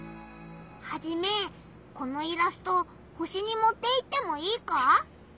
ハジメこのイラスト星にもっていってもいいか？